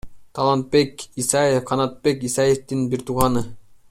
Талантбек Исаев — Канатбек Исаевдин бир тууганы.